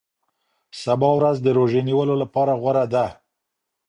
سبا ورځ د روژې نیولو لپاره غوره ده.